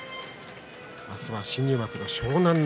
明日は新入幕の湘南乃